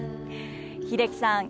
英樹さん